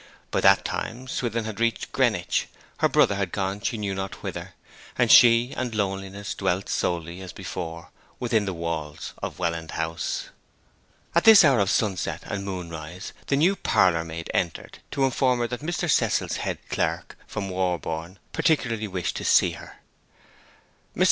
By that time Swithin had reached Greenwich; her brother had gone she knew not whither; and she and loneliness dwelt solely, as before, within the walls of Welland House. At this hour of sunset and moonrise the new parlourmaid entered, to inform her that Mr. Cecil's head clerk, from Warborne, particularly wished to see her. Mr.